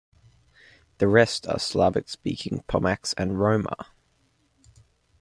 The rest are Slavic speaking Pomaks and Roma.